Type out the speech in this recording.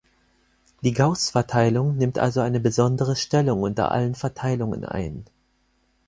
Die Gauß-Verteilung nimmt also eine besondere Stellung unter allen Verteilungen ein.